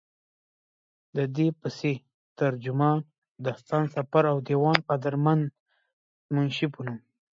ددې پسې، ترجمان، داستان سفر او ديوان قدرمند منشي پۀ نوم